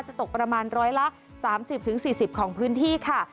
จะตกประมาณ๑๓๐๔๐ของพื้นที่ค่ะ